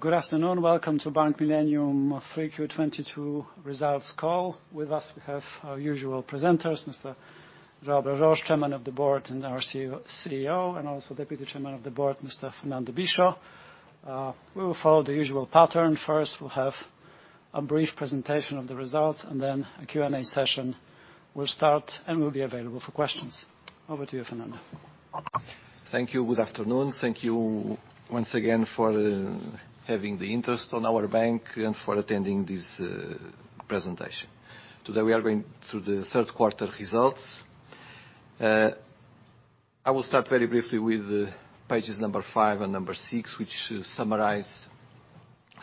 Good afternoon. Welcome to Bank Millennium 3Q 2022 results call. With us, we have our usual presenters, Mr. Joao Bras Jorge, Chairman of the Board and our CEO, and also Deputy Chairman of the Board, Mr. Fernando Bicho. We will follow the usual pattern. First, we'll have a brief presentation of the results and then a Q&A session will start, and we'll be available for questions. Over to you, Fernando. Thank you. Good afternoon. Thank you once again for having the interest in our bank and for attending this presentation. Today, we are going through the third quarter results. I will start very briefly with pages five and six, which summarize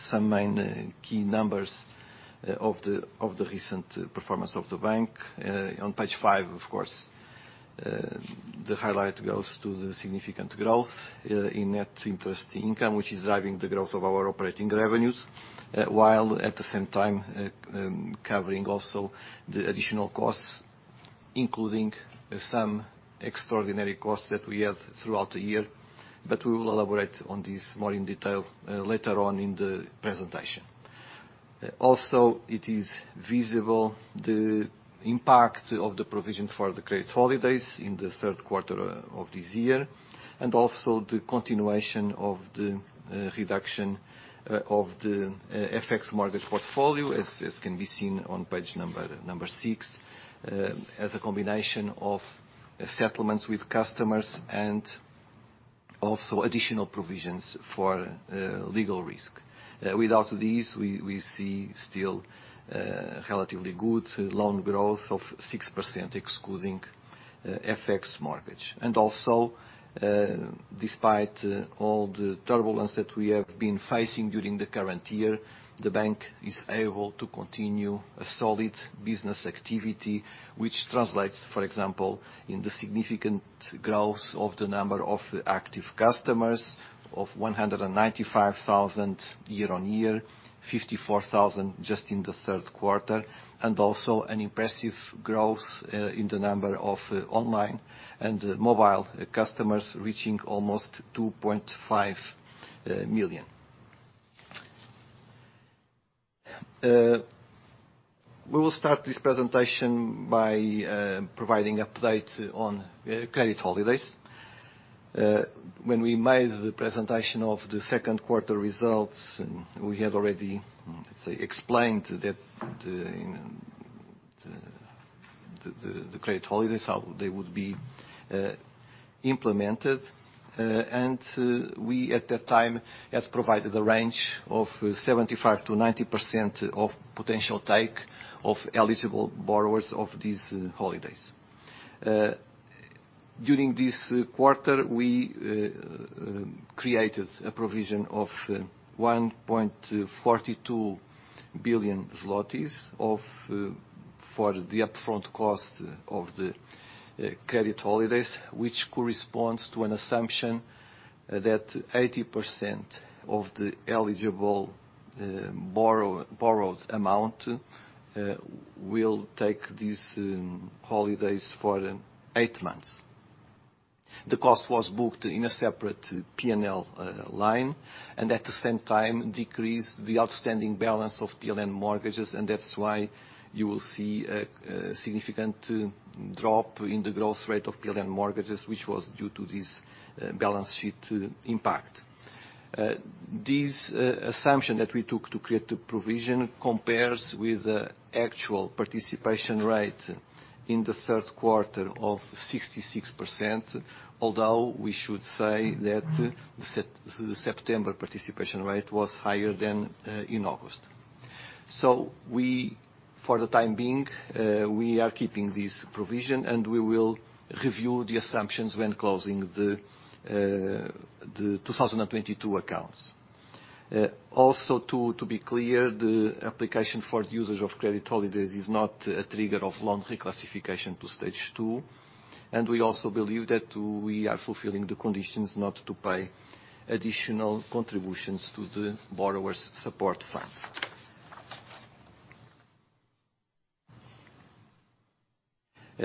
some main key numbers of the recent performance of the bank. On page five, of course, the highlight goes to the significant growth in net interest income, which is driving the growth of our operating revenues, while at the same time, covering also the additional costs, including some extraordinary costs that we had throughout the year. We will elaborate on this more in detail later on in the presentation. It is visible the impact of the provision for the credit holidays in the third quarter of this year, and also the continuation of the reduction of the FX mortgage portfolio, as can be seen on page number six, as a combination of settlements with customers and also additional provisions for legal risk. Without these, we see still relatively good loan growth of 6%, excluding FX mortgage. Despite all the turbulence that we have been facing during the current year, the bank is able to continue a solid business activity, which translates, for example, in the significant growth of the number of active customers of 195,000 year-on-year, 54,000 just in the third quarter, and also an impressive growth in the number of online and mobile customers reaching almost 2.5 million. We will start this presentation by providing updates on credit holidays. When we made the presentation of the second quarter results, we had already, let's say, explained that the credit holidays, how they would be implemented. We, at that time, had provided a range of 75%-90% of potential take-up of eligible borrowers of these holidays. During this quarter, we created a provision of 1.42 billion zlotys for the upfront cost of the credit holidays, which corresponds to an assumption that 80% of the eligible borrowed amount will take these holidays for eight months. The cost was booked in a separate P&L line, and at the same time, decreased the outstanding balance of PLN mortgages. That's why you will see a significant drop in the growth rate of PLN mortgages, which was due to this balance sheet impact. This assumption that we took to create the provision compares with the actual participation rate in the third quarter of 66%, although we should say that the September participation rate was higher than in August. We, for the time being, are keeping this provision, and we will review the assumptions when closing the 2022 accounts. Also to be clear, the application for users of credit holidays is not a trigger of loan reclassification to Stage 2, and we also believe that we are fulfilling the conditions not to pay additional contributions to the Borrower Support Fund.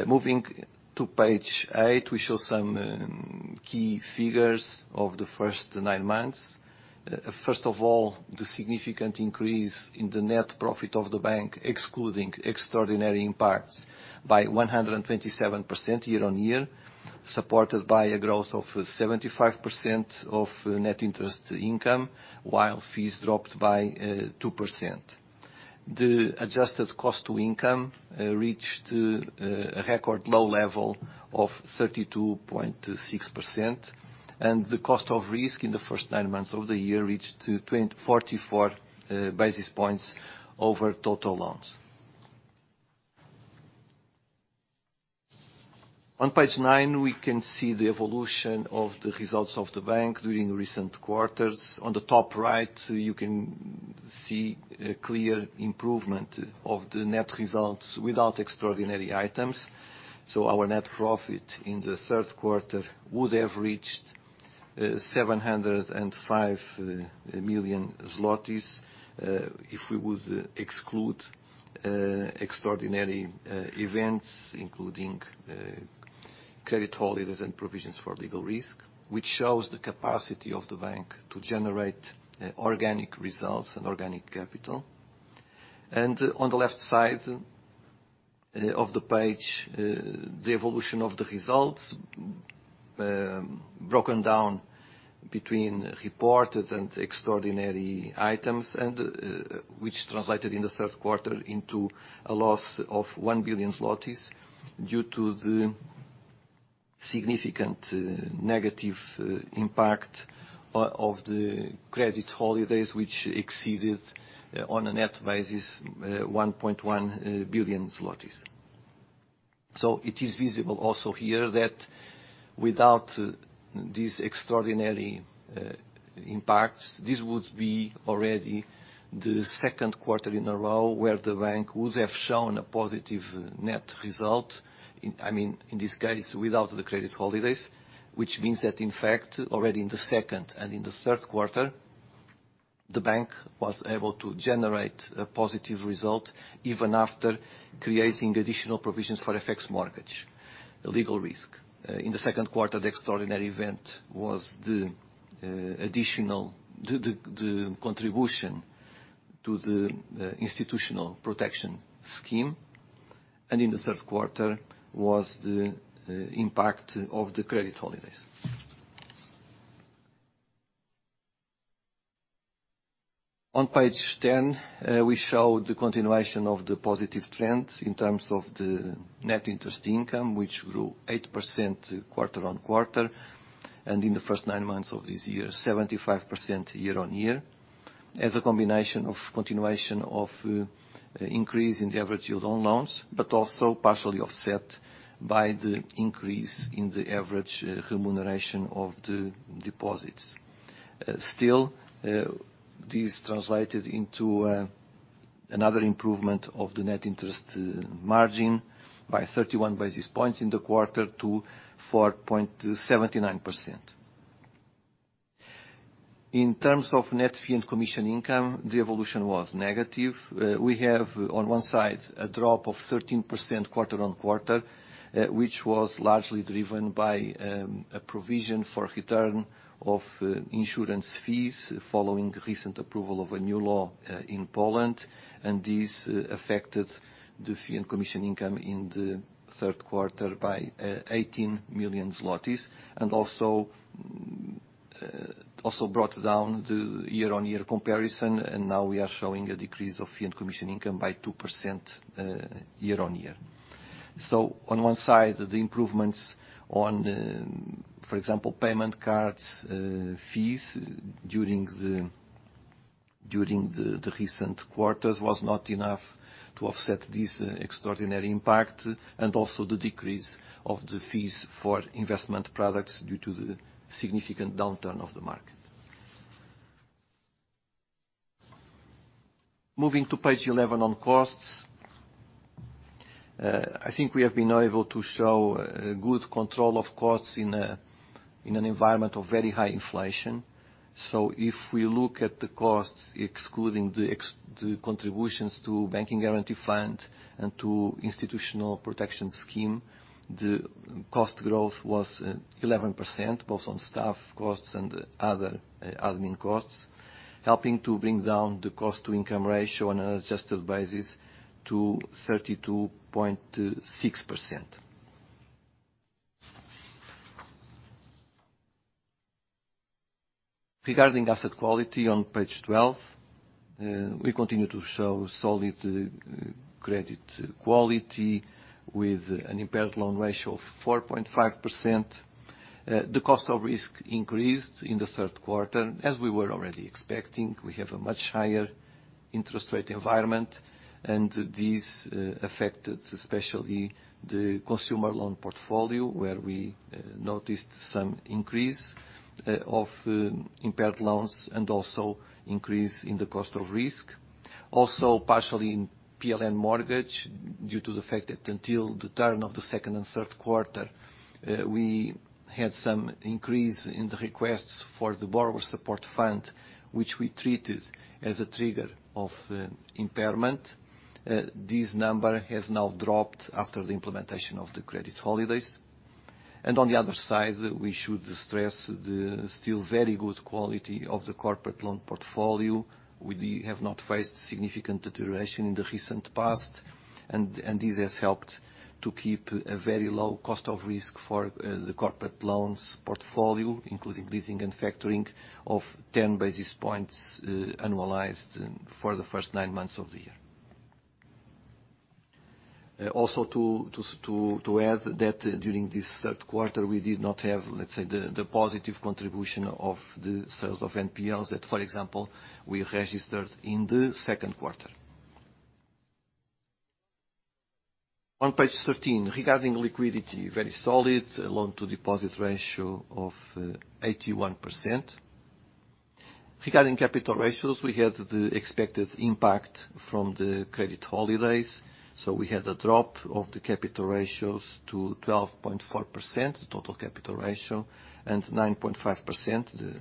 Moving to page eight, we show some key figures of the first nine months. First of all, the significant increase in the net profit of the bank, excluding extraordinary impacts by 127% year-on-year, supported by a growth of 75% of net interest income, while fees dropped by 2%. The Adjusted cost-to-income reached a record low level of 32.6%, and the Cost of Risk in the first nine months of the year reached 24 basis points over total loans. On page nine, we can see the evolution of the results of the bank during recent quarters. On the top right, you can see a clear improvement of the net results without extraordinary items. Our net profit in the third quarter would have reached 705 million zlotys if we would exclude extraordinary events, including credit holidays and provisions for legal risk, which shows the capacity of the bank to generate organic results and organic capital. On the left side of the page, the evolution of the results, broken down between reported and extraordinary items and which translated in the third quarter into a loss of 1 billion zlotys due to the significant negative impact of the credit holidays which exceeded on a net basis 1.1 billion zlotys. It is visible also here that without these extraordinary impacts, this would be already the second quarter in a row where the bank would have shown a positive net result. I mean, in this case, without the credit holidays, which means that in fact, already in the second and in the third quarter, the bank was able to generate a positive result even after creating additional provisions for FX mortgage legal risk. In the second quarter, the extraordinary event was the additional contribution to the Institutional Protection Scheme, and in the third quarter was the impact of the credit holidays. On page 10, we show the continuation of the positive trends in terms of the net interest income, which grew 8% quarter-on-quarter, and in the first nine months of this year, 75% year-on-year, as a combination of continuation of increase in the average yield on loans, but also partially offset by the increase in the average remuneration of the deposits. Still, this translated into another improvement of the net interest margin by 31 basis points in the quarter to 4.79%. In terms of net fee and commission income, the evolution was negative. We have on one side a drop of 13% quarter-on-quarter, which was largely driven by a provision for return of insurance fees following recent approval of a new law in Poland, and this affected the fee and commission income in the third quarter by 18 million zlotys. Also brought down the year-on-year comparison, and now we are showing a decrease of fee and commission income by 2% year-on-year. On one side, the improvements on, for example, payment cards fees during the recent quarters was not enough to offset this extraordinary impact, and also the decrease of the fees for investment products due to the significant downturn of the market. Moving to page 11 on costs. I think we have been able to show good control of costs in a, in an environment of very high inflation. If we look at the costs, excluding the contributions to Bank Guarantee Fund and to Institutional Protection Scheme, the cost growth was 11%, both on staff costs and other admin costs, helping to bring down the cost-to-income ratio on an Adjusted Basis to 32.6%. Regarding asset quality on page 12, we continue to show solid credit quality with an impaired loan ratio of 4.5%. The Cost of Risk increased in the third quarter, as we were already expecting. We have a much higher interest rate environment, and this affected especially the consumer loan portfolio, where we noticed some increase of impaired loans and also increase in the Cost of Risk. Also, partially in PLN mortgage, due to the fact that until the turn of the second and third quarter, we had some increase in the requests for the Borrower Support Fund, which we treated as a trigger of impairment. This number has now dropped after the implementation of the credit holidays. On the other side, we should stress the still very good quality of the corporate loan portfolio. We have not faced significant deterioration in the recent past, and this has helped to keep a very low Cost of Risk for the corporate loans portfolio, including leasing and factoring of 10 basis points, annualized for the first nine months of the year. Also, to add that during this third quarter, we did not have, let's say, the positive contribution of the sales of NPLs that, for example, we registered in the second quarter. On page 13, regarding liquidity, very solid loan-to-deposit ratio of 81%. Regarding capital ratios, we had the expected impact from the credit holidays, so we had a drop of the capital ratios to 12.4%, total capital ratio, and 9.5%, the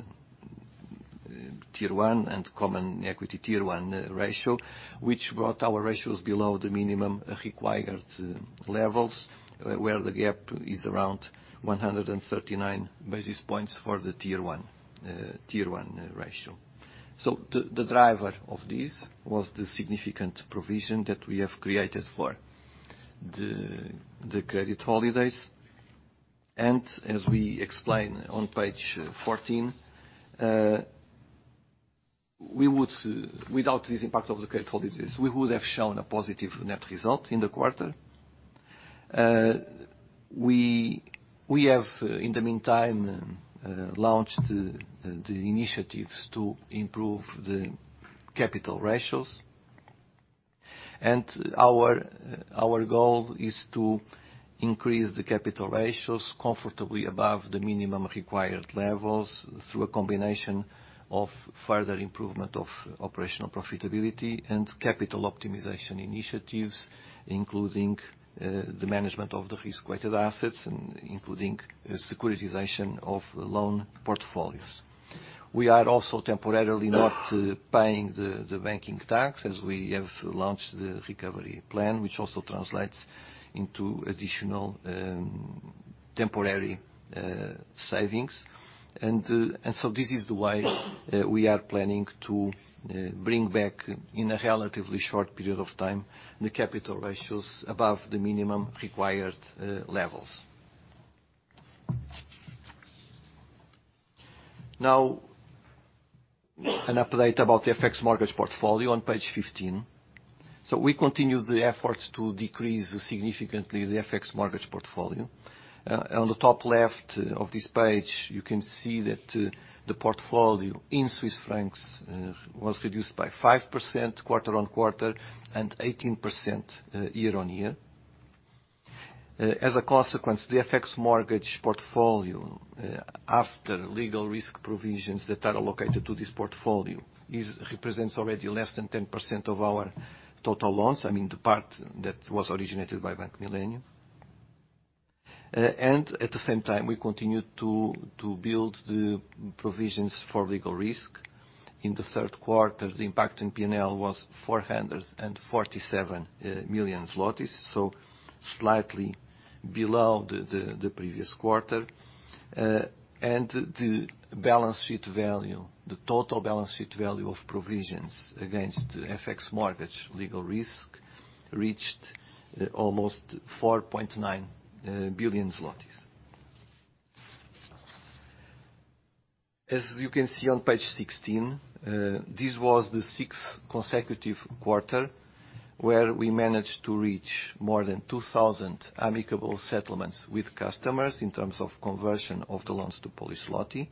Tier 1 and Common Equity Tier 1 ratio, which brought our ratios below the minimum required levels, where the gap is around 139 basis points for the Tier 1 ratio. The driver of this was the significant provision that we have created for the credit holidays. As we explained on page 14, without this impact of the credit holidays, we would have shown a positive net result in the quarter. We have, in the meantime, launched the initiatives to improve the capital ratios. Our goal is to increase the capital ratios comfortably above the minimum required levels through a combination of further improvement of operational profitability and capital optimization initiatives, including the management of the Risk-Weighted Assets, including securitization of loan portfolios. We are also temporarily not paying the banking tax as we have launched the recovery plan, which also translates into additional temporary savings. This is the way we are planning to bring back in a relatively short period of time, the capital ratios above the minimum required levels. Now an update about the FX mortgage portfolio on page 15. We continue the efforts to decrease significantly the FX mortgage portfolio. On the top left of this page, you can see that the portfolio in Swiss francs was reduced by 5% quarter-on-quarter and 18% year-on-year. As a consequence, the FX mortgage portfolio after legal risk provisions that are allocated to this portfolio it represents already less than 10% of our total loans, I mean, the part that was originated by Bank Millennium. At the same time, we continued to build the provisions for legal risk. In the third quarter, the impact in P&L was 447 million zlotys, so slightly below the previous quarter. The balance sheet value, the total balance sheet value of provisions against FX mortgage legal risk reached almost PLN 4.9 billion. As you can see on page 16, this was the sixth consecutive quarter where we managed to reach more than 2,000 amicable settlements with customers in terms of conversion of the loans to PLN.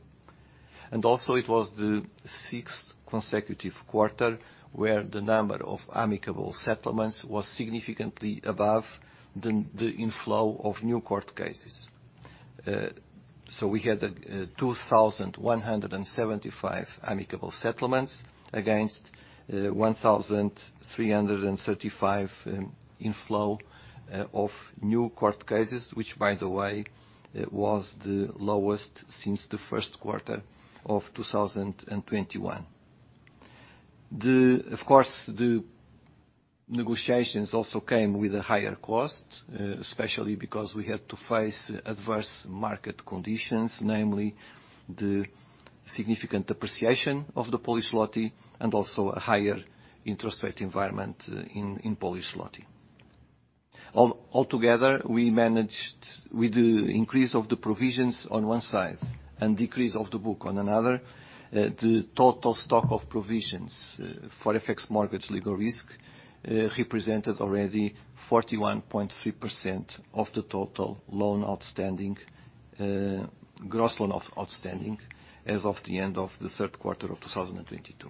It was the sixth consecutive quarter where the number of amicable settlements was significantly above the inflow of new court cases. We had 2,175 amicable settlements against 1,335 inflow of new court cases, which by the way, it was the lowest since the first quarter of 2021. Of course, the negotiations also came with a higher cost, especially because we had to face adverse market conditions, namely the significant appreciation of the PLN and also a higher interest rate environment in PLN. Altogether, we managed with the increase of the provisions on one side and decrease of the book on another, the total stock of provisions for FX mortgage legal risk represented already 41.3% of the total loan outstanding, gross loan outstanding as of the end of the third quarter of 2022.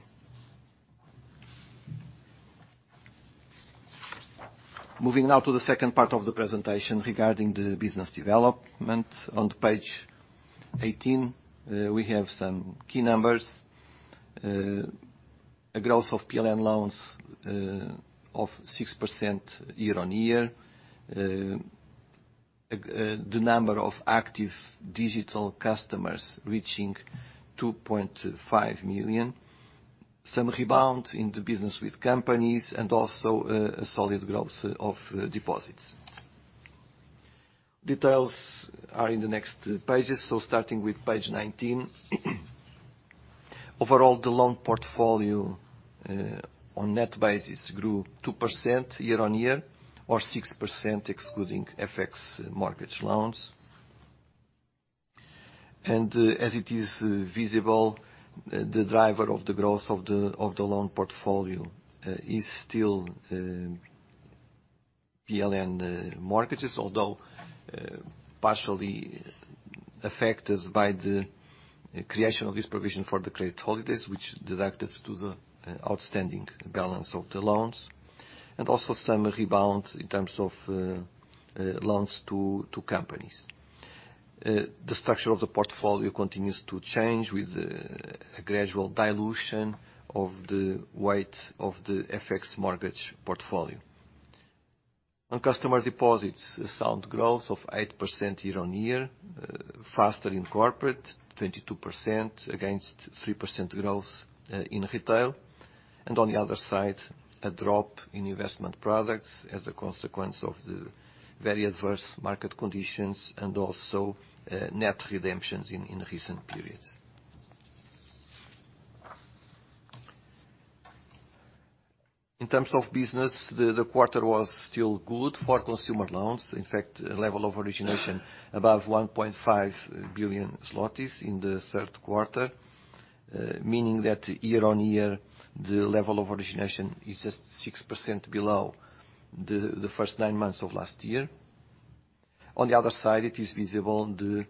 Moving now to the second part of the presentation regarding the business development. On page 18, we have some key numbers. A growth of PLN loans of 6% year-on-year. The number of active digital customers reaching 2.5 million. Some rebound in the business with companies and also a solid growth of deposits. Details are in the next pages. Starting with page 19. Overall, the loan portfolio on net basis grew 2% year-on-year or 6% excluding FX mortgage loans. As it is visible, the driver of the growth of the loan portfolio is still PLN mortgages, although partially affected by the creation of this provision for the credit holidays, which deducted to the outstanding balance of the loans, and also some rebound in terms of loans to companies. The structure of the portfolio continues to change with a gradual dilution of the weight of the FX mortgage portfolio. On customer deposits, a sound growth of 8% year-on-year, faster in corporate, 22% against 3% growth in retail. On the other side, a drop in investment products as a consequence of the very adverse market conditions, and also net redemptions in recent periods. In terms of business, the quarter was still good for consumer loans. In fact, the level of origination above 1.5 billion zlotys in the third quarter. Meaning that year-on-year, the level of origination is just 6% below the first nine months of last year. On the other side, it is visible the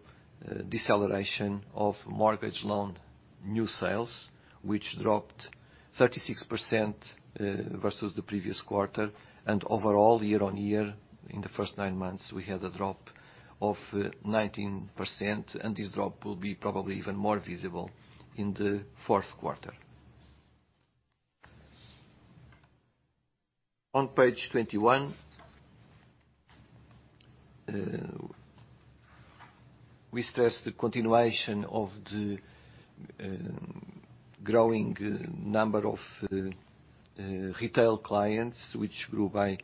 deceleration of mortgage loan new sales, which dropped 36% versus the previous quarter. Overall, year-on-year, in the first nine months, we had a drop of 19%, and this drop will be probably even more visible in the fourth quarter. On page 21, we stress the continuation of the growing number of retail clients, which grew by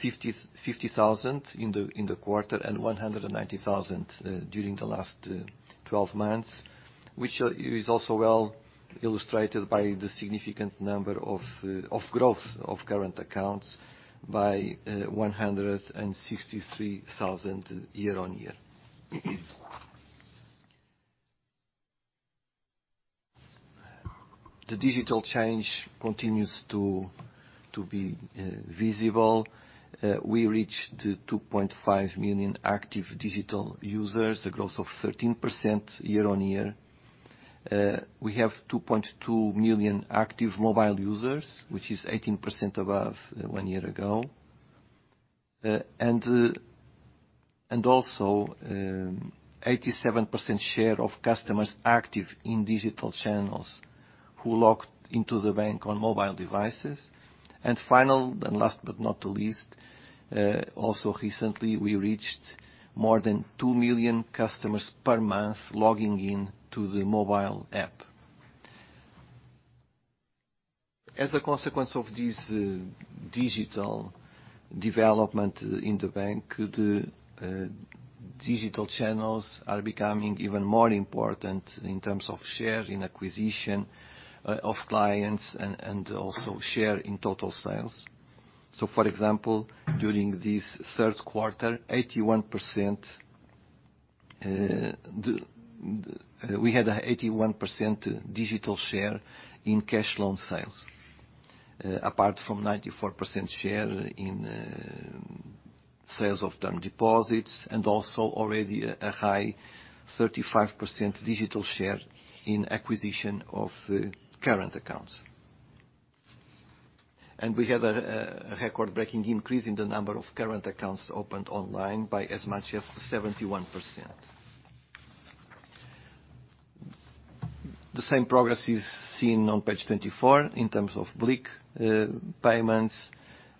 50,000 in the quarter and 190,000 during the last 12 months, which is also well illustrated by the significant growth of current accounts by 163,000 year-on-year. The digital change continues to be visible. We reached 2.5 million active digital users, a growth of 13% year-on-year. We have 2.2 million active mobile users, which is 18% above one year ago. 87% share of customers active in digital channels who log into the bank on mobile devices. Finally, and last but not least, also recently, we reached more than 2 million customers per month logging in to the mobile app. As a consequence of this, digital development in the bank, the digital channels are becoming even more important in terms of share in acquisition of clients and also share in total sales. For example, during this third quarter, 81%, we had 81% digital share in cash loan sales, apart from 94% share in sales of term deposits, and also already a high 35% digital share in acquisition of current accounts. We have a record-breaking increase in the number of current accounts opened online by as much as 71%. The same progress is seen on page 24 in terms of BLIK payments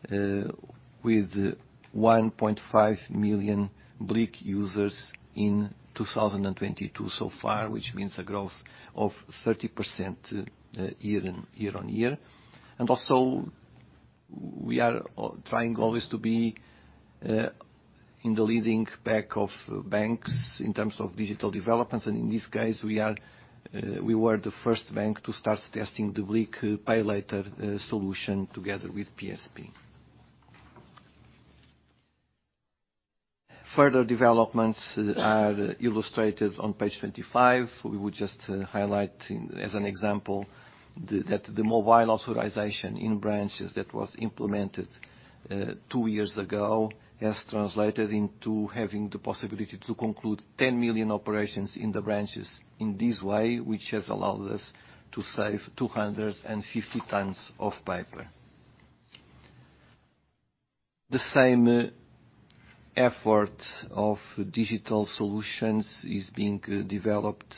with 1.5 million BLIK users in 2022 so far, which means a growth of 30% year-on-year. Also, we are trying always to be in the leading pack of banks in terms of digital developments. In this case, we were the first bank to start testing the BLIK Pay Later solution together with PSP. Further developments are illustrated on page 25. We would just highlight as an example that the mobile authorization in branches that was implemented two years ago has translated into having the possibility to conclude 10 million operations in the branches in this way, which has allowed us to save 250 tons of paper. The same effort of digital solutions is being developed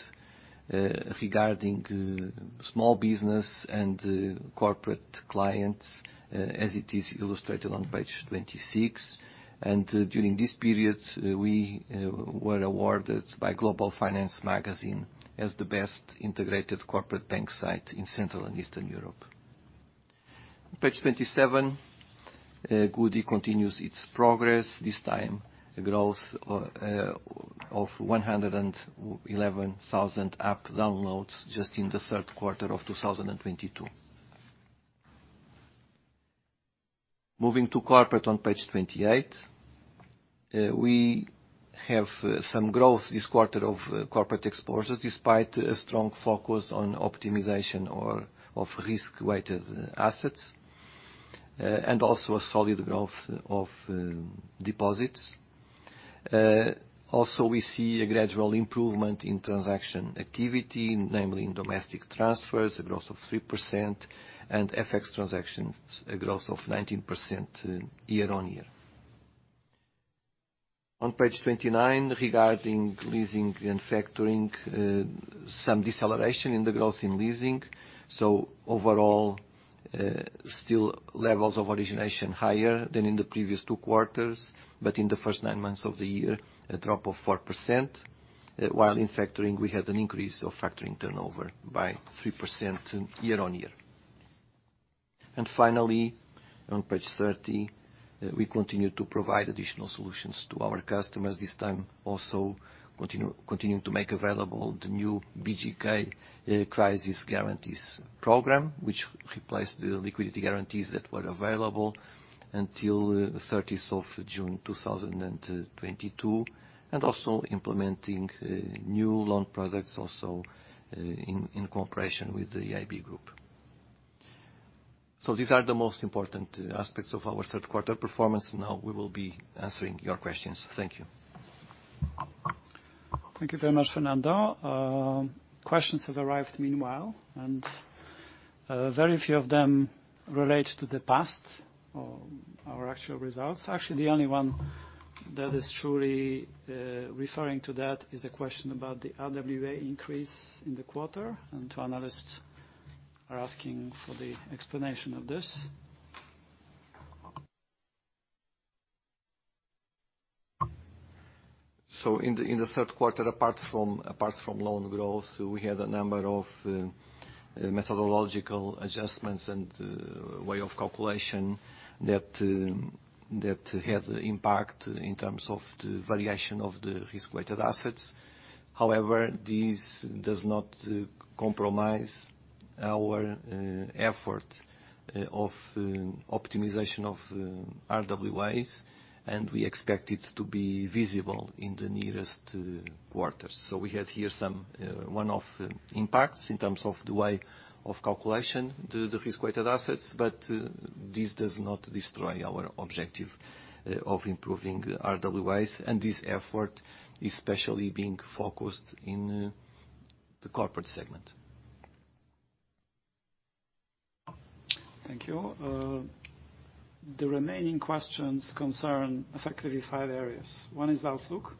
regarding small business and corporate clients as it is illustrated on page 26. During this period, we were awarded by Global Finance magazine as the best integrated corporate bank site in Central and Eastern Europe. Page 27, goodie continues its progress, this time a growth of 111,000 app downloads just in the third quarter of 2022. Moving to corporate on page 28, we have some growth this quarter of corporate exposures, despite a strong focus on optimization of Risk-Weighted Assets, and also a solid growth of deposits. Also we see a gradual improvement in transaction activity, namely in domestic transfers, a growth of 3%, and FX transactions, a growth of 19% year-on-year. On page 29, regarding leasing and factoring, some deceleration in the growth in leasing. Overall, still levels of origination higher than in the previous two quarters, but in the first nine months of the year, a drop of 4%. While in factoring, we had an increase of factoring turnover by 3% year-on-year. Finally, on page 30, we continue to provide additional solutions to our customers. This time also continuing to make available the new BGK Crisis Guarantees Program, which replace the liquidity guarantees that were available until 30th of June 2022. Also implementing new loan products also in cooperation with the EIB Group. These are the most important aspects of our third quarter performance. Now we will be answering your questions. Thank you. Thank you very much, Fernando. Questions have arrived meanwhile, and very few of them relate to the past or our actual results. Actually, the only one that is truly referring to that is a question about the RWA increase in the quarter, and two analysts are asking for the explanation of this. In the third quarter, apart from loan growth, we had a number of methodological adjustments and way of calculation that had impact in terms of the variation of the Risk-Weighted Assets. However, this does not compromise our effort of optimization of RWAs, and we expect it to be visible in the nearest quarters. We had here some one-off impacts in terms of the way of calculation the Risk-Weighted Assets, but this does not destroy our objective of improving RWAs. This effort especially being focused in the corporate segment. Thank you. The remaining questions concern effectively five areas. One is outlook.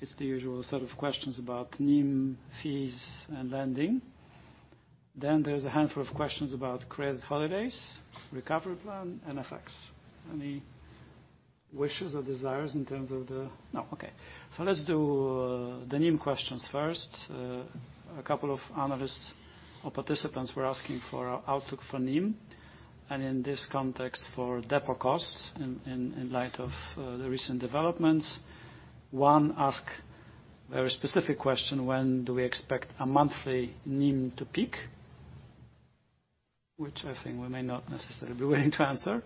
It's the usual set of questions about NIM, fees, and lending. Then there's a handful of questions about credit holidays, recovery plan, and effects. Any wishes or desires in terms of the? No. Okay. Let's do the NIM questions first. A couple of analysts or participants were asking for outlook for NIM, and in this context, for deposit costs in light of the recent developments. One asked a very specific question, when do we expect a monthly NIM to peak? Which I think we may not necessarily be willing to answer.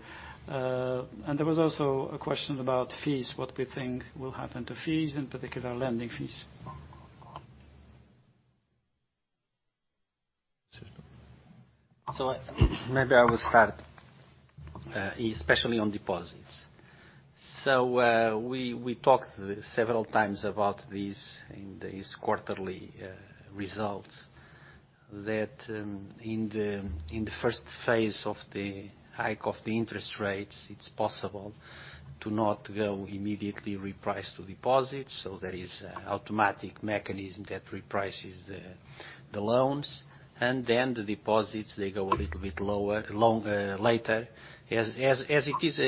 And there was also a question about fees, what we think will happen to fees, in particular, Lending Fees. Maybe I will start especially on deposits. We talked several times about this in these quarterly results, that in the first phase of the hike of the interest rates, it's possible to not go immediately reprice to deposits. There is automatic mechanism that reprices the loans, and then the deposits, they go a little bit later. As it is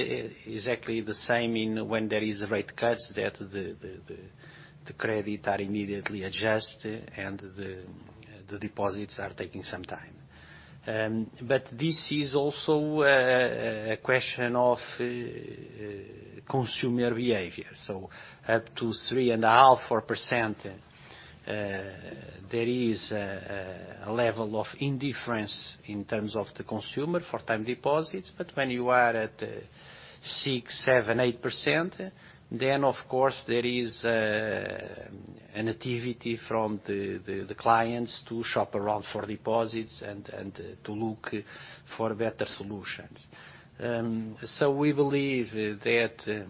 exactly the same when there is rate cuts that the credit are immediately adjusted and the deposits are taking some time. But this is also a question of consumer behavior. Up to 3.5%, there is a level of indifference in terms of the consumer for time deposits. When you are at 6%, 7%, 8%, then of course, there is an activity from the clients to shop around for deposits and to look for better solutions. We believe that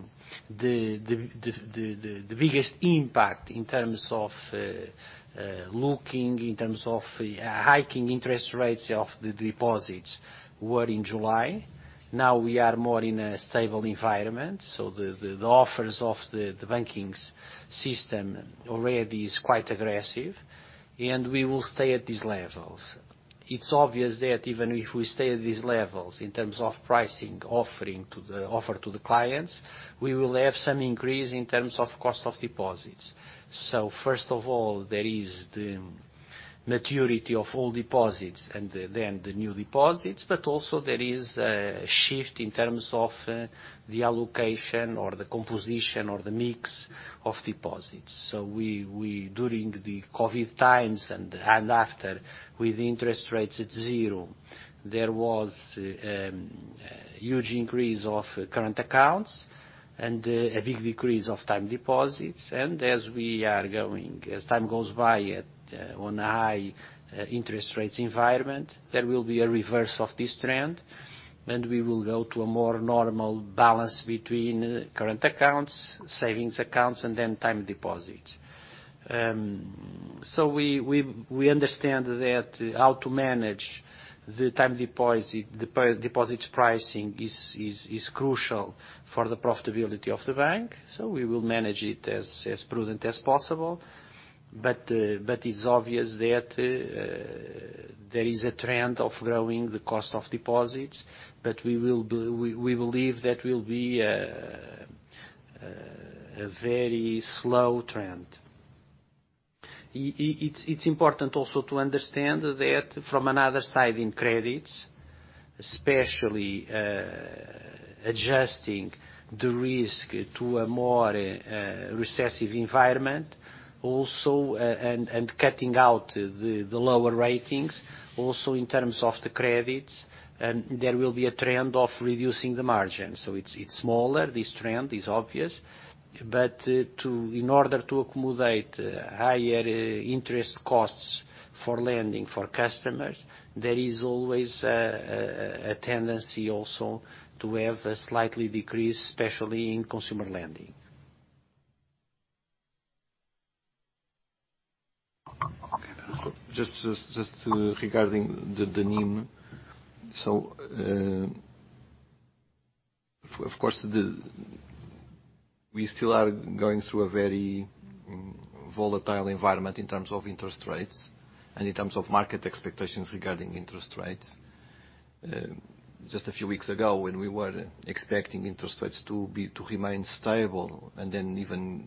the biggest impact in terms of hiking interest rates of the deposits was in July. Now we are more in a stable environment, so the offers of the banking system already is quite aggressive, and we will stay at these levels. It's obvious that even if we stay at these levels in terms of pricing, offer to the clients, we will have some increase in terms of cost of deposits. First of all, there is the maturity of all deposits and then the new deposits, but also there is a shift in terms of the allocation or the composition or the mix of deposits. We understand that how to manage the time deposit pricing is crucial for the profitability of the bank, so we will manage it as prudent as possible. It's obvious that there is a trend of growing the cost of deposits, but we believe that will be a very slow trend. It's important also to understand that from another side in credits, especially adjusting the risk to a more recessionary environment also and cutting out the lower ratings. Also, in terms of the credits, there will be a trend of reducing the margin. It's smaller, this trend is obvious. In order to accommodate higher interest costs for lending for customers, there is always a tendency also to have a slight decrease, especially in consumer lending. Just regarding the NIM. Of course, we still are going through a very volatile environment in terms of interest rates and in terms of market expectations regarding interest rates. Just a few weeks ago when we were expecting interest rates to be, to remain stable and then even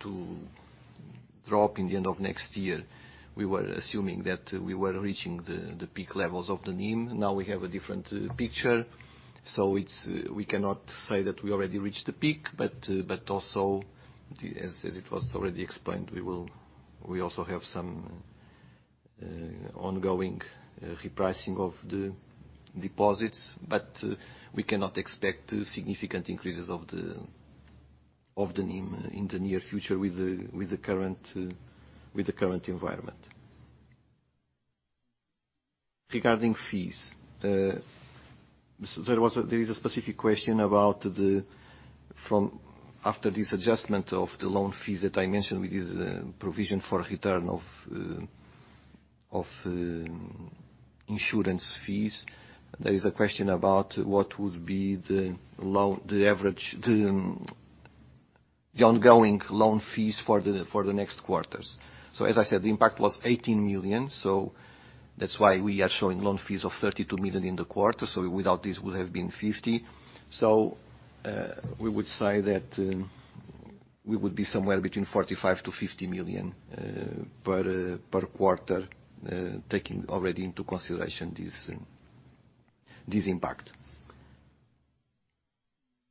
to drop in the end of next year, we were assuming that we were reaching the peak levels of the NIM. Now we have a different picture. It is, we cannot say that we already reached the peak, but also, as it was already explained, we also have some ongoing repricing of the deposits. We cannot expect significant increases of the NIM in the near future with the current environment. Regarding fees, there is a specific question about, after this adjustment of the loan fees that I mentioned with this provision for return of insurance fees. There is a question about what would be the average ongoing loan fees for the next quarters. As I said, the impact was 18 million, so that's why we are showing loan fees of 32 million in the quarter. Without this, it would have been 50 million. We would say that we would be somewhere between 45 million-50 million per quarter, taking already into consideration this impact.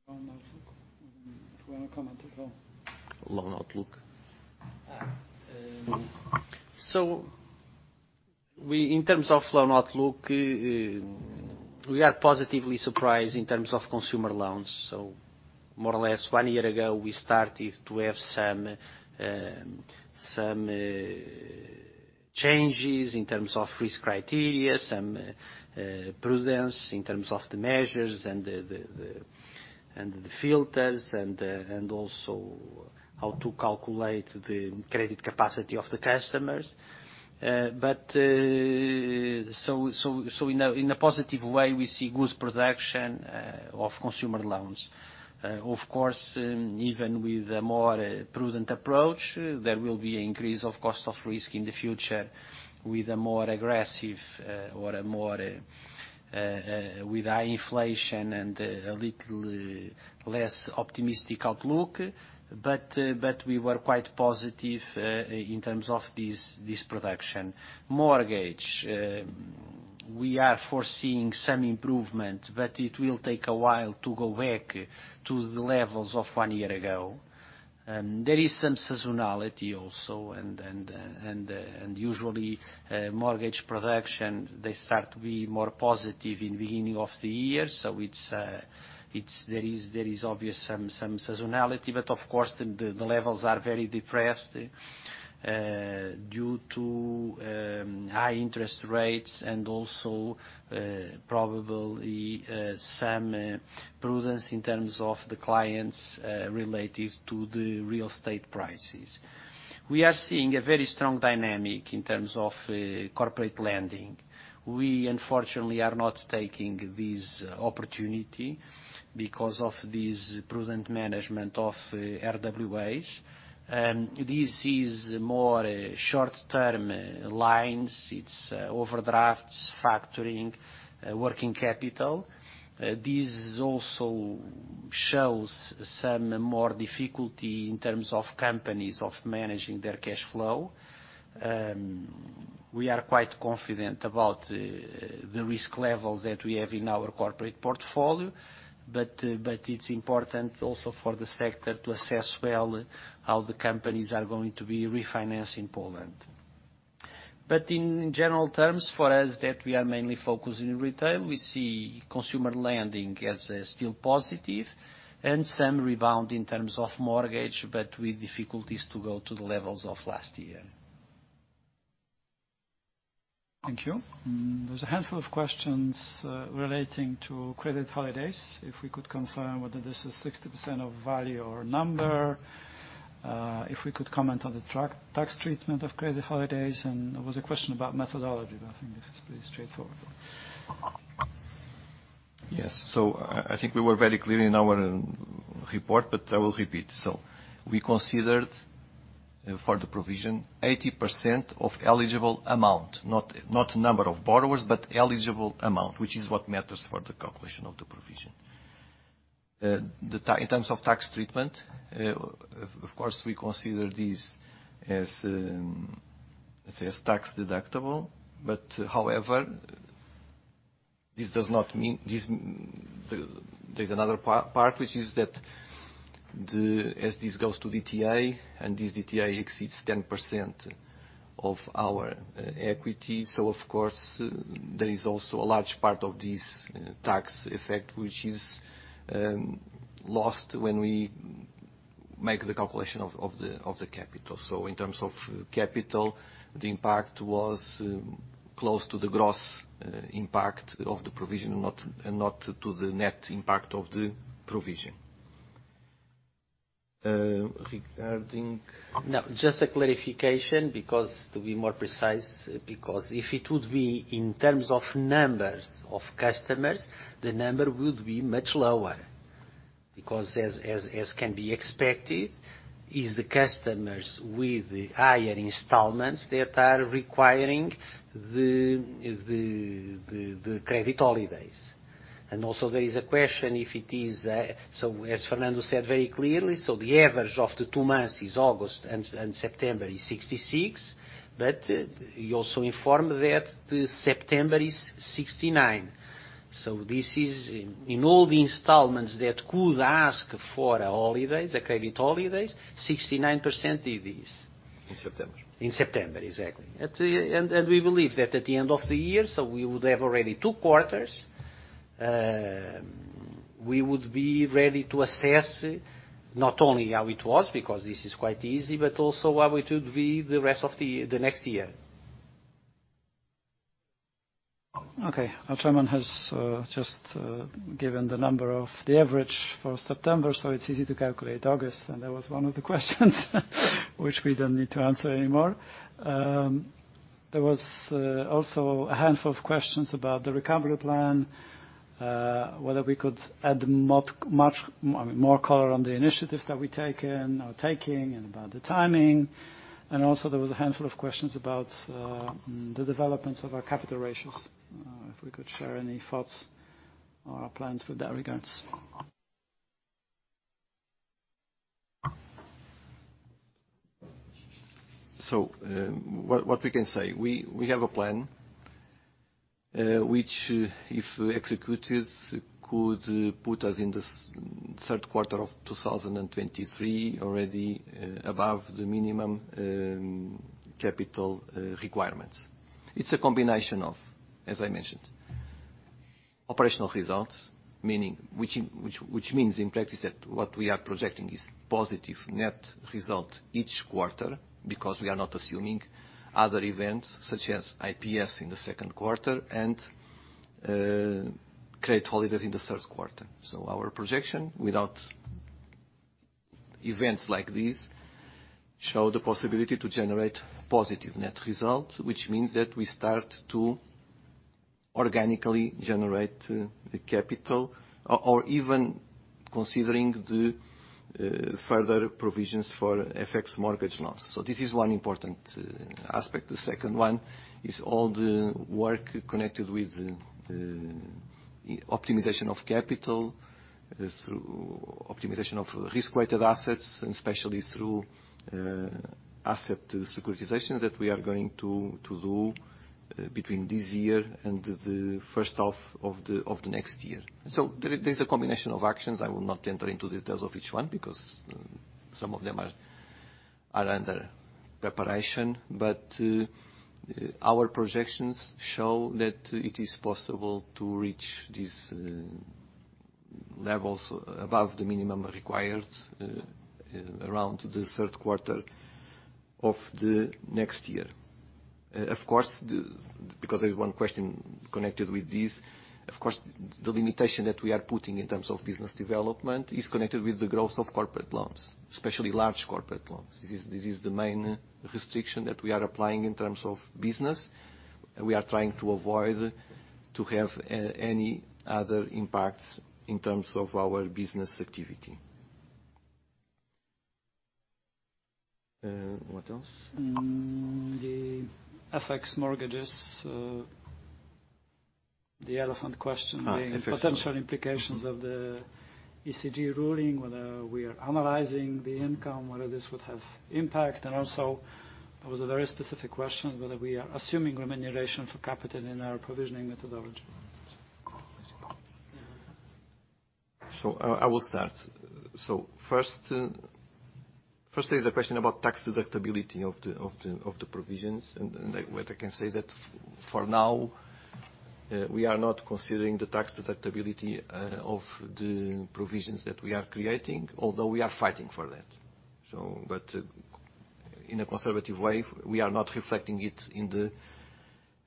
Loan outlook. Do you wanna comment as well? Loan outlook. In terms of loan outlook, we are positively surprised in terms of consumer loans. More or less one year ago, we started to have some changes in terms of risk criteria, some prudence in terms of the measures and the filters and also how to calculate the credit capacity of the customers. In a positive way, we see good production of consumer loans. Of course, even with a more prudent approach, there will be an increase of Cost of Risk in the future with a more aggressive, or a more, with high inflation and a little less optimistic outlook. We were quite positive in terms of this production. Mortgage, we are foreseeing some improvement, but it will take a while to go back to the levels of one year ago. There is some seasonality also, usually mortgage production they start to be more positive in beginning of the year. There is obviously some seasonality, but of course the levels are very depressed due to high interest rates and also probably some prudence in terms of the clients related to the real estate prices. We are seeing a very strong dynamic in terms of corporate lending. We unfortunately are not taking this opportunity because of this prudent management of RWAs. This is more short-term lines. It's overdrafts, factoring, working capital. This also shows some more difficulty in terms of companies of managing their cash flow. We are quite confident about the risk levels that we have in our corporate portfolio, but it's important also for the sector to assess well how the companies are going to be refinancing in Poland. In general terms, for us, as we are mainly focused on retail, we see consumer lending as still positive and some rebound in terms of mortgage, but with difficulties to go to the levels of last year. Thank you. There's a handful of questions relating to credit holidays. If we could confirm whether this is 60% of value or number? If we could comment on the tax treatment of credit holidays, and there was a question about methodology, but I think this is pretty straightforward. Yes. I think we were very clear in our report, but I will repeat. We considered for the provision 80% of eligible amount, not number of borrowers, but eligible amount, which is what matters for the calculation of the provision. In terms of tax treatment, of course, we consider this as, let's say, as tax deductible. However, this does not mean. This, there's another part which is that as this goes to DTA and this DTA exceeds 10% of our equity. Of course, there is also a large part of this tax effect, which is lost when we make the calculation of the capital. In terms of capital, the impact was close to the gross impact of the provision, not to the net impact of the provision. No, just a clarification because to be more precise, because if it would be in terms of numbers of customers, the number would be much lower. As can be expected, is the customers with the higher installments that are requiring the credit holidays. Also there is a question if it is, so as Fernando said very clearly, so the average of the two months is August and September is 66%, but he also informed that September is 69%. This is in all the installments that could ask for holidays, the credit holidays, 69% did this. In September. In September, exactly. We believe that at the end of the year, so we would have already two quarters, we would be ready to assess not only how it was, because this is quite easy, but also how it would be the rest of the next year. Okay. Our Chairman has just given the number of the average for September, so it's easy to calculate August. That was one of the questions which we don't need to answer anymore. There was also a handful of questions about the recovery plan, whether we could add much, I mean, more color on the initiatives that we've taken or taking and about the timing. Also there was a handful of questions about the developments of our capital ratios, if we could share any thoughts or our plans in that regard. What we can say, we have a plan which if executed could put us in the third quarter of 2023 already above the minimum capital requirements. It's a combination of, as I mentioned, operational results, meaning which means in practice that what we are projecting is positive net result each quarter because we are not assuming other events such as IPS in the second quarter and credit holidays in the third quarter. Our projection without events like these show the possibility to generate positive net results, which means that we start to organically generate the capital or even considering the further provisions for FX mortgage loans. This is one important aspect. The second one is all the work connected with the optimization of capital through optimization of Risk-Weighted Assets, and especially through asset securitizations that we are going to do between this year and the first half of the next year. There's a combination of actions. I will not enter into details of each one because some of them are under preparation. Our projections show that it is possible to reach these levels above the minimum required around the third quarter of the next year. Of course, because there's one question connected with this. Of course, the limitation that we are putting in terms of business development is connected with the growth of corporate loans, especially large corporate loans. This is the main restriction that we are applying in terms of business. We are trying to avoid to have any other impacts in terms of our business activity. What else? The FX mortgages, the elephant question. FX mortgages. The potential implications of the ECJ ruling, whether we are analyzing the income, whether this would have impact. There was a very specific question whether we are assuming remuneration for capital in our provisioning methodology. I will start. First there's a question about tax deductibility of the provisions, and what I can say is that for now we are not considering the tax deductibility of the provisions that we are creating, although we are fighting for that. In a conservative way, we are not reflecting it in the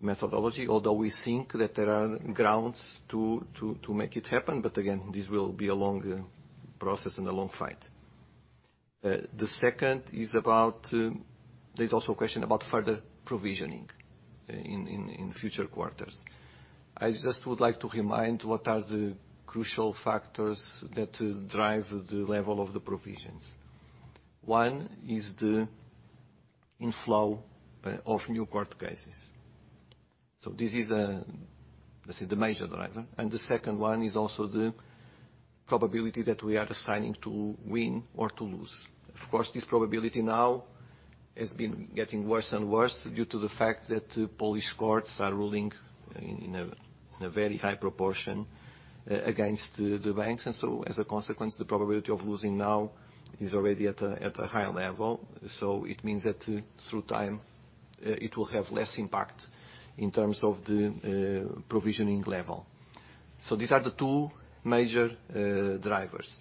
methodology. Although we think that there are grounds to make it happen. But again, this will be a long process and a long fight. The second is about. There's also a question about further provisioning in future quarters. I just would like to remind what are the crucial factors that drive the level of the provisions. One is the inflow of new court cases. This is, let's say, the major driver. The second one is also the probability that we are assigning to win or to lose. Of course, this probability now has been getting worse and worse due to the fact that Polish courts are ruling in a very high proportion against the banks. As a consequence, the probability of losing now is already at a high level. It means that through time it will have less impact in terms of the provisioning level. These are the two major drivers.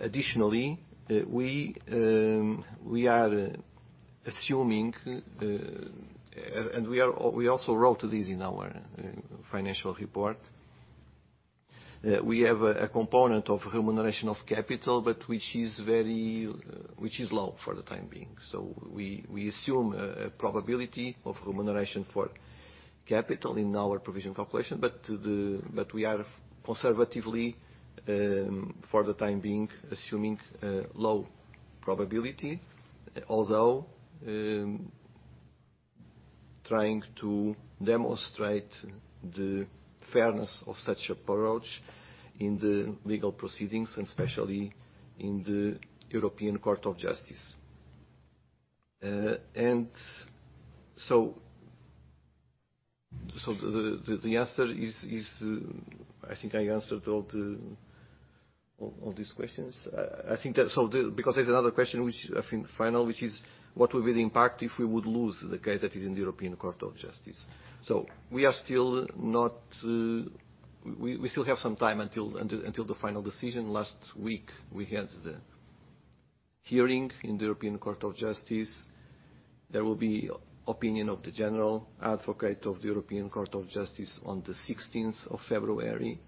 Additionally, we are assuming, and we also wrote this in our financial report. We have a component of remuneration of capital, but which is very low for the time being. We assume a probability of remuneration for capital in our provision calculation. We are conservatively, for the time being, assuming low probability. Although trying to demonstrate the fairness of such approach in the legal proceedings and especially in the European Court of Justice. The answer is. I think I answered all these questions. I think that's all. Because there's another question which I think final, which is what will be the impact if we would lose the case that is in the European Court of Justice? We are still not. We still have some time until the final decision. Last week, we had the hearing in the European Court of Justice. There will be opinion of the Advocate General of the European Court of Justice on the 16th of February,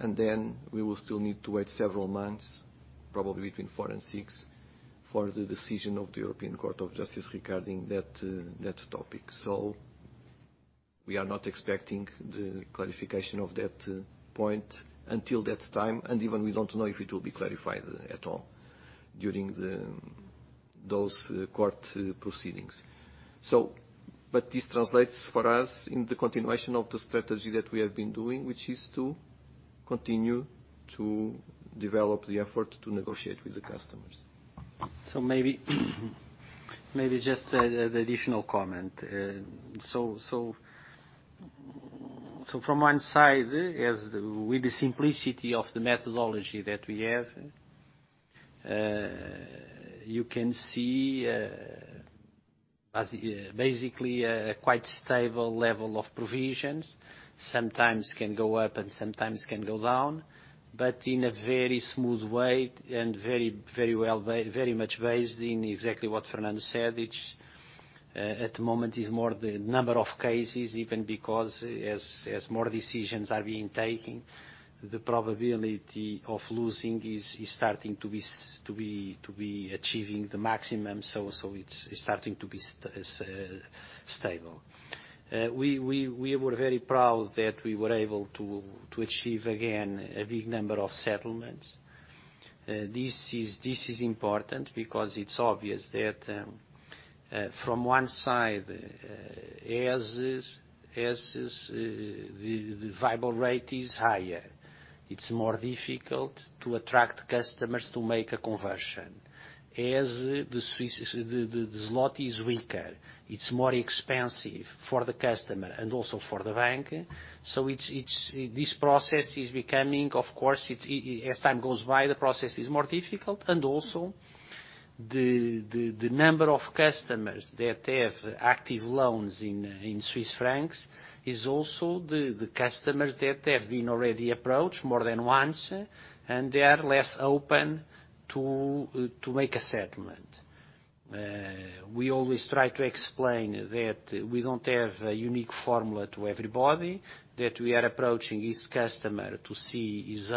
and then we will still need to wait several months, probably between four and six, for the decision of the European Court of Justice regarding that topic. We are not expecting the clarification of that point until that time, and even we don't know if it will be clarified at all during those court proceedings. This translates for us in the continuation of the strategy that we have been doing, which is to continue to develop the effort to negotiate with the customers. Maybe just an additional comment. From one side, with the simplicity of the methodology that we have, you can see basically a quite stable level of provisions. Sometimes can go up and sometimes can go down, but in a very smooth way and very well, very much based in exactly what Fernando said, which at the moment is more the number of cases, even because more decisions are being taken, the probability of losing is starting to be achieving the maximum. It's starting to be stable. We were very proud that we were able to achieve again a big number of settlements. This is important because it's obvious that from one side, as the FX rate is higher, it's more difficult to attract customers to make a conversion. As the zloty is weaker, it's more expensive for the customer and also for the bank. This process is becoming, of course, as time goes by, the process is more difficult. The number of customers that have active loans in Swiss francs is also the customers that have been already approached more than once, and they are less open to make a settlement. We always try to explain that we don't have a unique formula to everybody, that we are approaching each customer to see his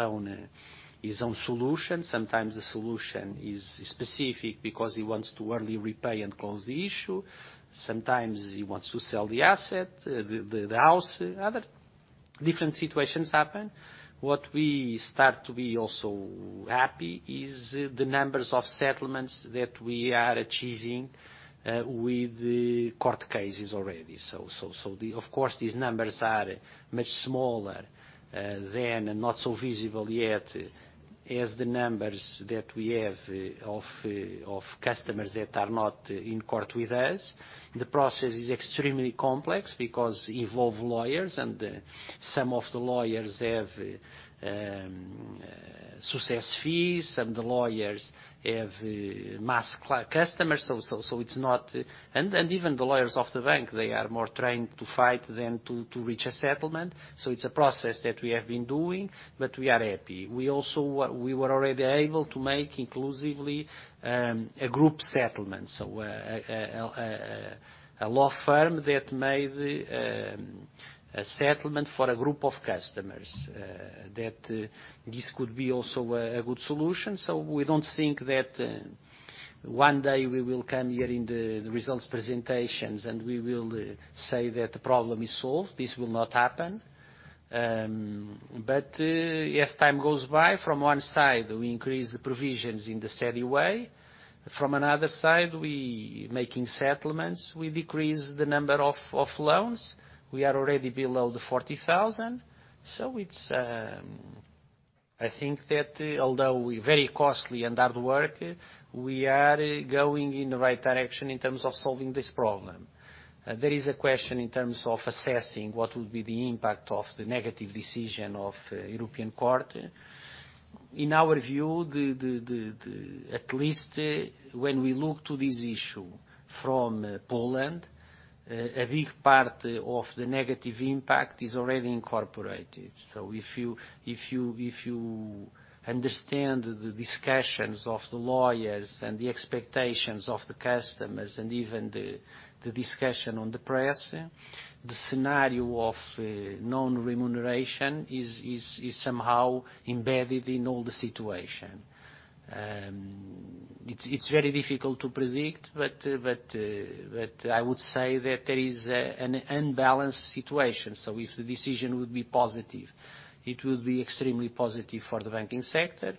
own solution. Sometimes the solution is specific because he wants to early repay and close the issue. Sometimes he wants to sell the asset, the house. Other different situations happen. What we start to be also happy is the numbers of settlements that we are achieving with the court cases already. So of course, these numbers are much smaller than and not so visible yet as the numbers that we have of customers that are not in court with us. The process is extremely complex because involve lawyers and some of the lawyers have success fees. Some of the lawyers have mass customers, so it's not. Even the lawyers of the bank, they are more trained to fight than to reach a settlement. It's a process that we have been doing, but we are happy. We were already able to make inclusively a group settlement. A law firm that made a settlement for a group of customers, that this could be also a good solution. We don't think that one day we will come here in the results presentations, and we will say that the problem is solved. This will not happen. As time goes by, from one side, we increase the provisions in the steady way. From another side, we making settlements, we decrease the number of loans. We are already below the 40,000. I think that although it was very costly and hard work, we are going in the right direction in terms of solving this problem. There is a question in terms of assessing what will be the impact of the negative decision of European Court of Justice. In our view, at least when we look at this issue from Poland, a big part of the negative impact is already incorporated. If you understand the discussions of the lawyers and the expectations of the customers and even the discussion in the press, the scenario of non-remuneration is somehow embedded in all the situation. It's very difficult to predict, but I would say that there is an unbalanced situation. If the decision would be positive, it would be extremely positive for the banking sector.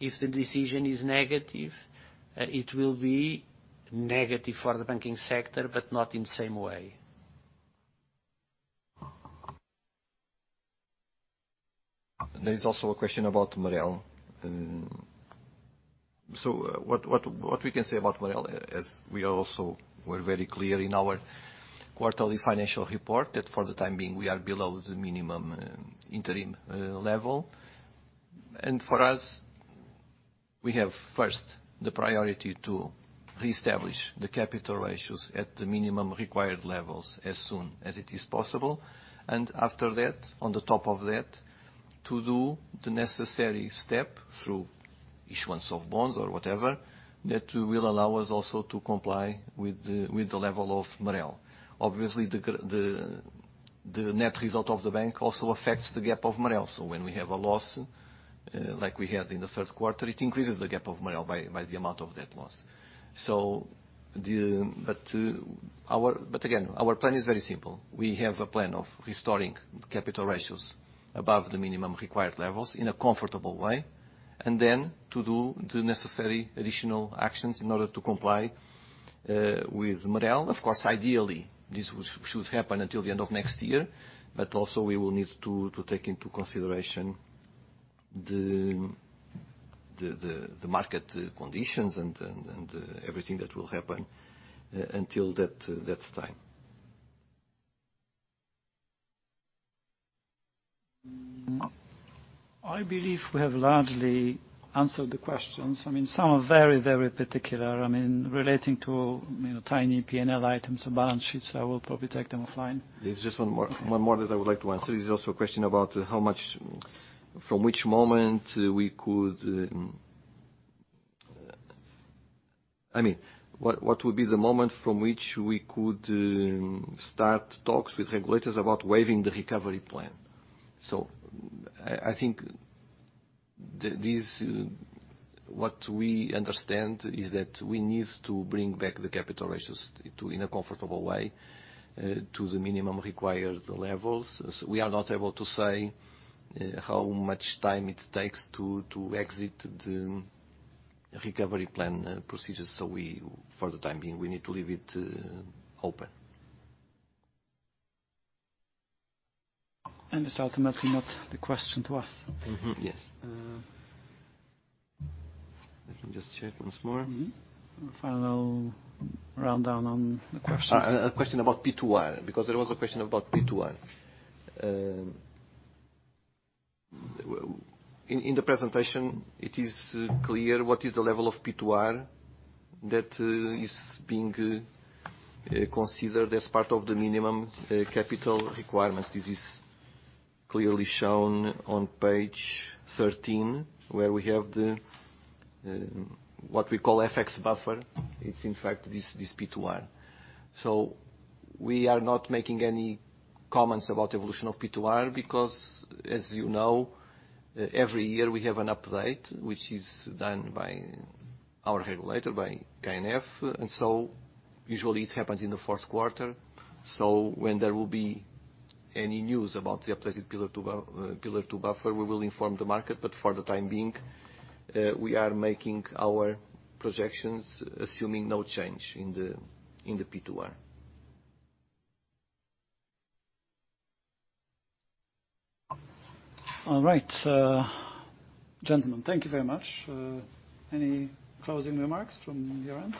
If the decision is negative, it will be negative for the banking sector, but not in the same way. There is also a question about MREL. What we can say about MREL, as we also were very clear in our quarterly financial report, that for the time being, we are below the minimum interim level. For us, we have first the priority to reestablish the capital ratios at the minimum required levels as soon as it is possible. After that, on the top of that, to do the necessary step through issuance of bonds or whatever, that will allow us also to comply with the level of MREL. Obviously, the net result of the bank also affects the gap of MREL. When we have a loss like we had in the third quarter, it increases the gap of MREL by the amount of that loss. Our plan is very simple. We have a plan of restoring capital ratios above the minimum required levels in a comfortable way, and then to do the necessary additional actions in order to comply with MREL. Of course, ideally, this should happen until the end of next year, but also we will need to take into consideration the market conditions and everything that will happen until that time. I believe we have largely answered the questions. I mean, some are very, very particular. I mean, relating to, you know, tiny P&L items or balance sheets. I will probably take them offline. There's just one more that I would like to answer. There's also a question about from which moment we could. I mean, what would be the moment from which we could start talks with regulators about waiving the recovery plan? I think what we understand is that we need to bring back the capital ratios to, in a comfortable way, to the minimum required levels. We are not able to say how much time it takes to exit the recovery plan procedures. For the time being, we need to leave it open. It's ultimately not the question to ask. Mm-hmm. Yes. Let me just check once more. Final rundown on the questions. A question about P2R, because there was a question about P2R. In the presentation, it is clear what is the level of P2R that is being considered as part of the minimum capital requirements. This is clearly shown on page 13, where we have what we call FX buffer. It's in fact this P2R. We are not making any comments about evolution of P2R because, as you know, every year we have an update, which is done by our regulator, by KNF. Usually it happens in the fourth quarter. When there will be any news about the updated P2R buffer, we will inform the market. For the time being, we are making our projections assuming no change in the P2R. All right. Gentlemen, thank you very much. Any closing remarks from your end?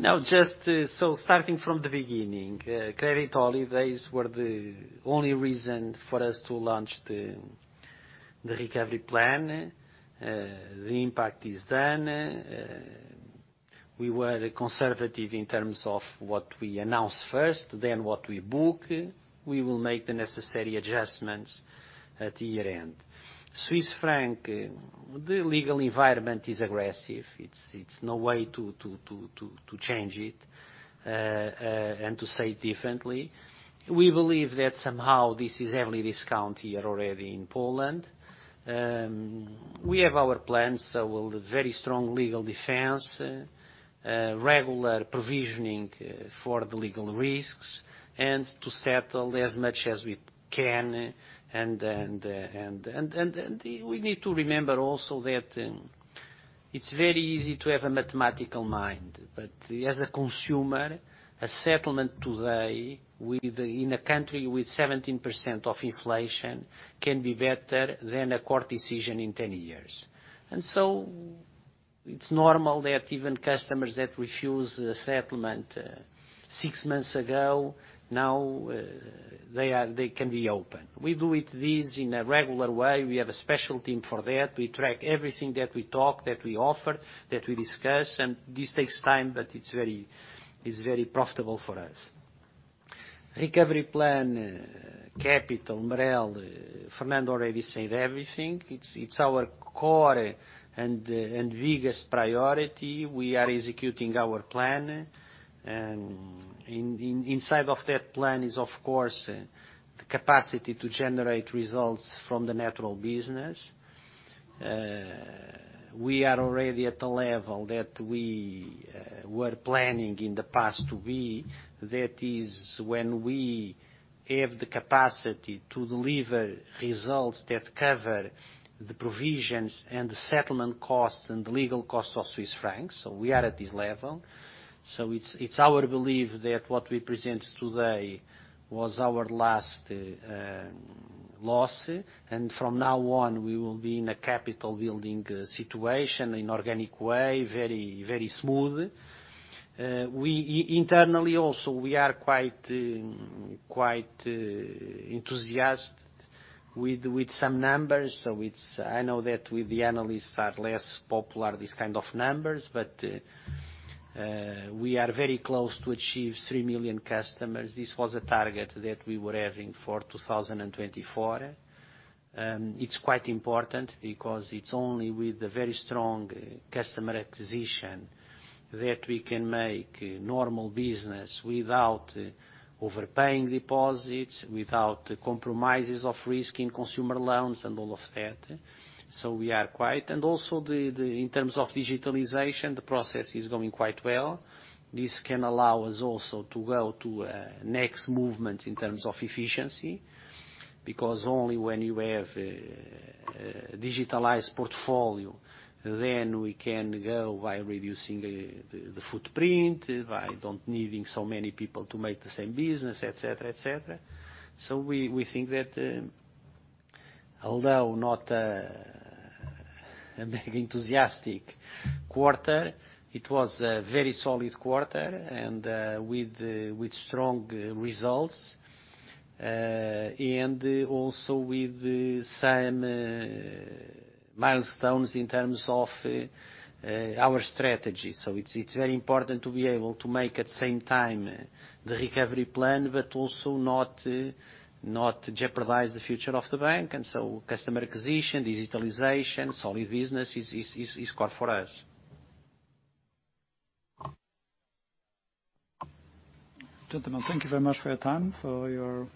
No, just starting from the beginning, credit holidays were the only reason for us to launch the recovery plan. The impact is done. We were conservative in terms of what we announced first, then what we book. We will make the necessary adjustments at year-end. Swiss franc, the legal environment is aggressive. It's no way to change it, and to say it differently. We believe that somehow this is heavily discounted here already in Poland. We have our plans, with very strong legal defense, regular provisioning for the legal risks and to settle as much as we can. We need to remember also that it's very easy to have a mathematical mind. As a consumer, a settlement today with in a country with 17% of inflation, can be better than a court decision in 10 years. It's normal that even customers that refuse a settlement six months ago, now they are, they can be open. We do it, this in a regular way. We have a special team for that. We track everything that we talk, that we offer, that we discuss, and this takes time, but it's very profitable for us. Recovery plan, capital, MREL, Fernando already said everything. It's our core and biggest priority. We are executing our plan. Inside of that plan is of course the capacity to generate results from the natural business. We are already at the level that we were planning in the past to be. That is when we have the capacity to deliver results that cover the provisions and the settlement costs and legal costs of Swiss francs. We are at this level. It's our belief that what we present today was our last loss. From now on, we will be in a capital building situation in organic way, very smooth. Internally also, we are quite enthusiastic with some numbers. I know that these kind of numbers are less popular with the analysts, but we are very close to achieve 3 million customers. This was a target that we were having for 2024. It's quite important because it's only with a very strong customer acquisition that we can make normal business without overpaying deposits, without compromises of risk in consumer loans and all of that. In terms of digitalization, the process is going quite well. This can allow us also to go to a next movement in terms of efficiency, because only when you have digitalized portfolio, then we can go by reducing the footprint, by don't needing so many people to make the same business, et cetera, et cetera. We think that, although not a very enthusiastic quarter, it was a very solid quarter and with strong results with some milestones in terms of our strategy. It's very important to be able to make at the same time the recovery plan, but also not jeopardize the future of the bank. Customer acquisition, digitalization, solid business is core for us. Gentlemen, thank you very much for your time, for your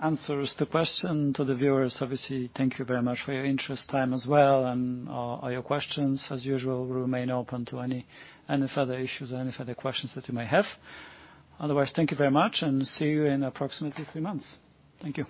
answers to questions. To the viewers, obviously, thank you very much for your interest, time as well, and all your questions. As usual, we remain open to any further issues or any further questions that you may have. Otherwise, thank you very much and see you in approximately three months. Thank you.